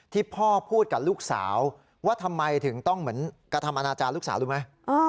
ที่พ่อพูดกับลูกสาวว่าทำไมถึงต้องเหมือนกระทำอนาจารย์ลูกสาวรู้ไหม